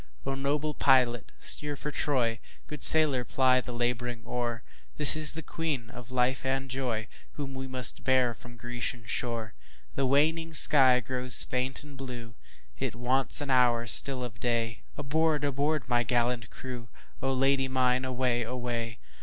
O noble pilot steer for Troy, Good sailor ply the labouring oar, This is the Queen of life and joyWhom we must bear from Grecian shore! The waning sky grows faint and blue, It wants an hour still of day, Aboard! aboard! my gallant crew,O Lady mine away! away!